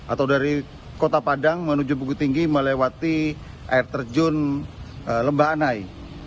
atau dari kota padang menuju bukit tinggi melewati air terjun lembahanai